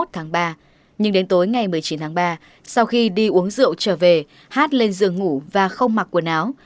hai mươi tháng ba nhưng đến tối ngày một mươi chín tháng ba sau khi đi uống rượu trở về hát lên giường ngủ và không mặc quần áo